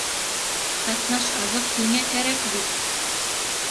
Ҡатнаш аҙыҡ һиңә кәрәк бит!